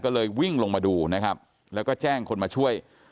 ก็เลยวิ่งลงมาดูนะครับแล้วก็แจ้งคนมาช่วย